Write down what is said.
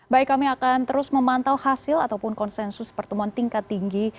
baik kami akan terus memantau hasil ataupun konsensus pertemuan tingkat tinggi